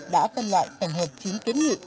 đã phân loại thành hợp chín kiến nghị